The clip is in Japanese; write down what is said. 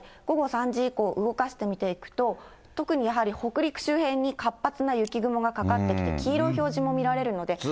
午後３時以降、動かして見ていくと、特にやはり北陸周辺に活発な雪雲がかかってきて、黄色い表示も見られるので。